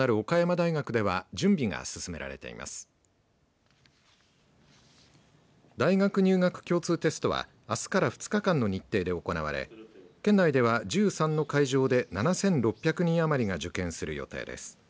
大学入学共通テストはあすから２日間の日程で行われ県内では１３の会場で７６００人余りが受験する予定です。